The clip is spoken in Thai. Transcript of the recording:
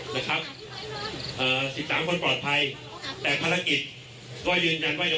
นะครับเอ่อสิบสามคนปลอดภัยค่ะแต่ภารกิจก็ยืนยันว่าจะ